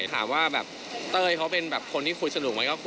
จนอาจแพล่งทุกการณ์